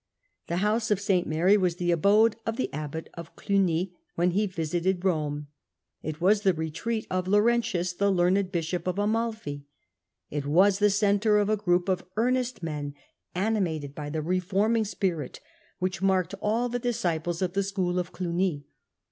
The house of St. Mary was the abode of the abbot of Glugny when he visited Rome; it was the retreat of Laurentius, the learned bishop of Amalfi ; it was the centra of a group of earnest men, animated by the reforming spirit which marked all the disciples of the school of Clugny.